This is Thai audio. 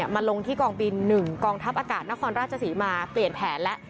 มาลงที่กองบิน๑กองทัพอากาศนครราชศรีมาเปลี่ยนแผนแล้ว